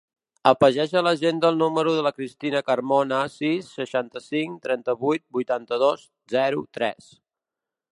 Afegeix a l'agenda el número de la Cristina Carmona: sis, seixanta-cinc, trenta-vuit, vuitanta-dos, zero, tres.